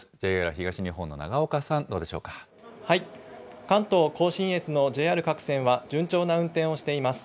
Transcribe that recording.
ＪＲ東日本の長岡さん、どうでし関東甲信越のＪＲ各線は、順調な運転をしています。